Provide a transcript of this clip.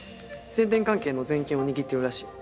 宣伝関係の全権を握ってるらしい。